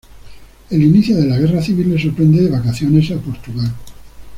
El inicio de la guerra civil le sorprende de vacaciones a Portugal.